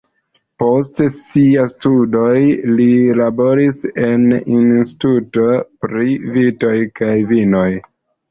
Post siaj studoj li laboris en instituto pri vitoj kaj vinoj.